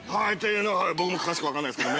◆はい、僕も詳しく分からないですけど。